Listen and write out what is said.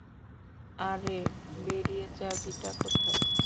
আরে, বেরিয়ে যাবিটা কোথায়?